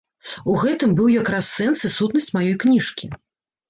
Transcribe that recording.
У гэтым быў якраз сэнс і сутнасць маёй кніжкі.